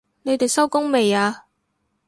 你哋收工未啊？